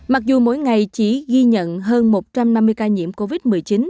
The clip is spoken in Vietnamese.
mặc dù mỗi ngày chỉ ghi nhận hơn một trăm năm mươi ca nhiễm covid một mươi chín